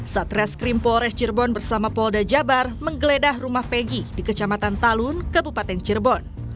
satres krim polres cirebon bersama polda jabar menggeledah rumah peggy di kecamatan talun kebupaten cirebon